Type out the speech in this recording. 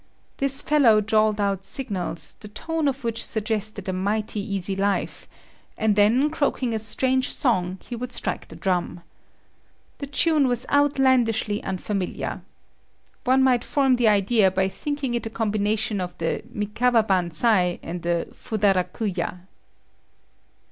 This fellow drawled out signals the tone of which suggested a mighty easy life, and then croaking a strange song, he would strike the drum. The tune was outlandishly unfamiliar. One might form the idea by thinking it a combination of the Mikawa Banzai and the Fudarakuya.